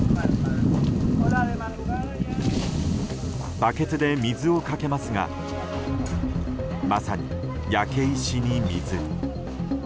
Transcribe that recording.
バケツで水をかけますがまさに焼け石に水。